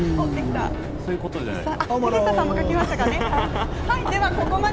そういうことじゃないの？